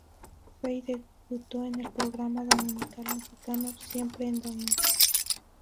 Fey debutó en el programa dominical mexicano "Siempre en domingo".